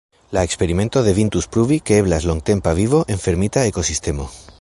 La eksperimento devintus pruvi, ke eblas longtempa vivo en fermita ekosistemo.